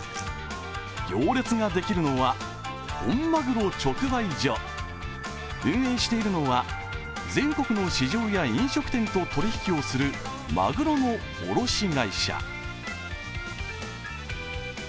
行列ができるのは、本まぐろ直売所運営しているのは、全国の市場や飲食店と取引をするまぐろの卸会社。